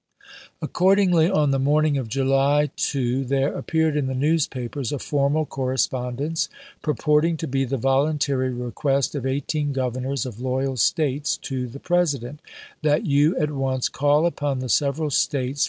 Accordingly, on the morning of July 2 there ap peared in the newspapers a formal correspondence, purporting to be the voluntary request of eighteen governors of loyal States to the President, "that you at once call upon the several States for such Ibid.